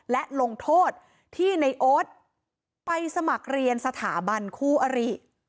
และลงโทษที่ในโอ๊ตไปสมัครเรียนสถาบันคู่อริ